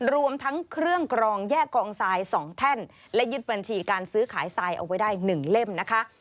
รวมทั้งเครื่องกรองแยกกองทราย๒แท่นและยึดบัญชีการซื้อขายทรายเอาไว้ได้๑เล่มนะคะ